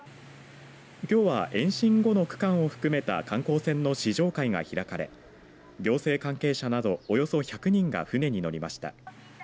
きょうは延伸後の区間を含めた観光船の試乗会が開かれ行政関係者などをおよそ１００人が船に乗りました。